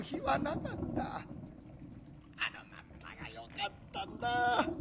あのまんまがよかったんだ。